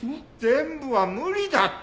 全部は無理だって！